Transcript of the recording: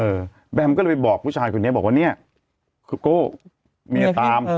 แบมก็เลยไปบอกผู้ชายคนนี้บอกว่าเนี่ยคือโก้เมียตาม